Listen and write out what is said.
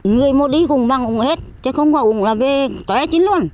người mua đi không bằng ủng hết chứ không có ủng là về khóe chín luôn